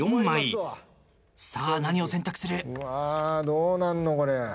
どうなんのこれ？